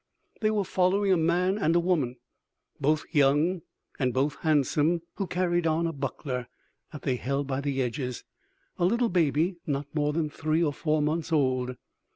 They were following a man and woman, both young and both handsome, who carried on a buckler, that they held by the edges, a little baby not more than three or four months old.